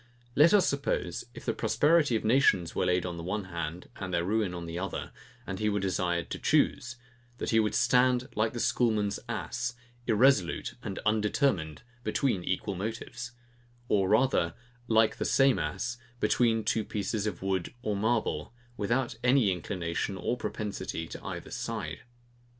Let us suppose, if the prosperity of nations were laid on the one hand, and their ruin on the other, and he were desired to choose; that he would stand like the schoolman's ass, irresolute and undetermined, between equal motives; or rather, like the same ass between two pieces of wood or marble, without any inclination or propensity to either side.